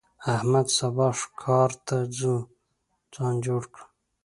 احمده! سبا ښکار ته ځو؛ ځان جوړ کړه.